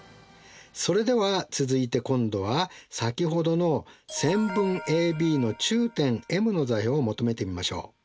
それでは続いて今度は先ほどの線分ＡＢの中点Ｍの座標を求めてみましょう。